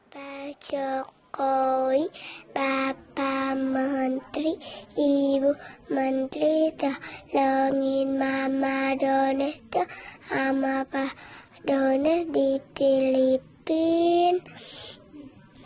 bapak jokowi bapak menteri ibu menteri tolongin mama dones sama papa dones di filipina